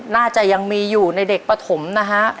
น่าจะยังมีอยู่ในเด็กปฐมนะฮะ